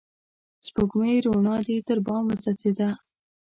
سپوږمۍ روڼا دي تر بام وڅڅيده